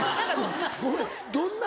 ごめんどんな？